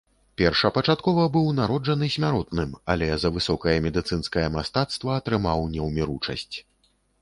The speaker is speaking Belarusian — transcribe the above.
Першапачаткова быў народжаны смяротным, але за высокае медыцынскае мастацтва атрымаў неўміручасць.